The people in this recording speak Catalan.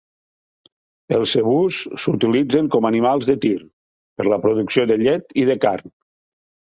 Els zebús s'utilitzen com animals de tir, per la producció de llet i de carn.